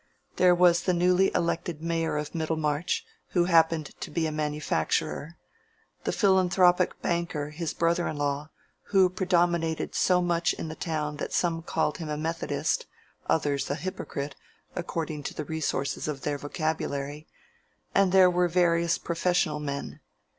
There was the newly elected mayor of Middlemarch, who happened to be a manufacturer; the philanthropic banker his brother in law, who predominated so much in the town that some called him a Methodist, others a hypocrite, according to the resources of their vocabulary; and there were various professional men.